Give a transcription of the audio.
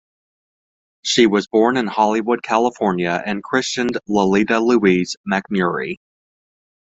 She was born in Hollywood, California and christened Lillita Louise MacMurray.